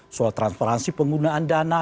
soal transparansi penggunaan dana